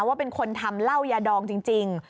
ว่าเป็นคนทำเหล้ายาดองจริง